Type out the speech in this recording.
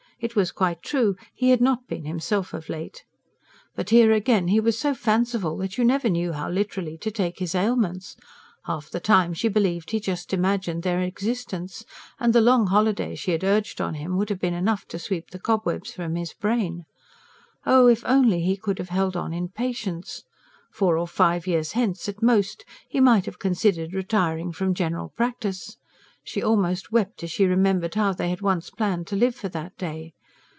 It was quite true: he had not been himself of late. But, here again, he was so fanciful that you never knew how literally to take his ailments: half the time she believed he just imagined their existence; and the long holiday she had urged on him would have been enough to sweep the cobwebs from his brain. Oh, if only he could have held on in patience! Four or five years hence, at most, he might have considered retiring from general practice. She almost wept as she remembered how they had once planned to live for that day.